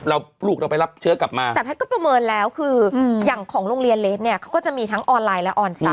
ลูกเราไปรับเชื้อกลับมาแต่แพทย์ก็ประเมินแล้วคืออย่างของโรงเรียนเลสเนี่ยเขาก็จะมีทั้งออนไลน์และออนไซต